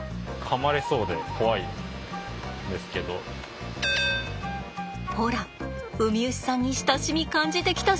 ほらウミウシさんに親しみ感じてきたっしょ？